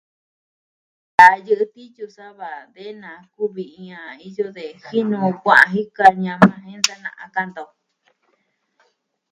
A yɨɨ tiyu sava de na kuvi iin a iyo de jinu kuaa jika ñama jen sana'a a kanta o.